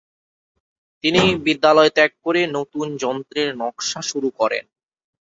তিনি বিদ্যালয় ত্যাগ করে নতুন যন্ত্রের নকশা শুরু করেন।